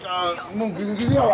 もうギリギリやわ。